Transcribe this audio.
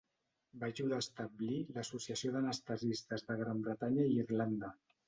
Va ajudar a establir l'Associació d'Anestesistes de Gran Bretanya i Irlanda.